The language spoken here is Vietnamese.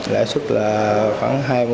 lãi suất là